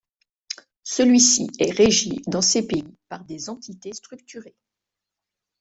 Celui-ci est régi dans ces pays par des entités structurées.